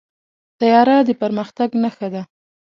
طیاره د پرمختګ نښه ده.